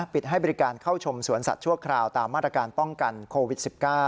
ปิดให้บริการเข้าชมสวนสัตว์ชั่วคราวตามมาตรการป้องกันโควิด๑๙